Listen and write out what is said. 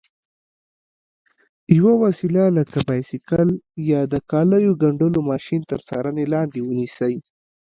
یوه وسیله لکه بایسکل یا د کالیو ګنډلو ماشین تر څارنې لاندې ونیسئ.